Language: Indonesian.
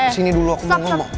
sini dulu aku mau ngomong